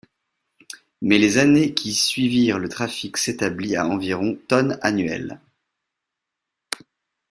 Mais les années qui suivirent le trafic s'établit à environ tonnes annuelles.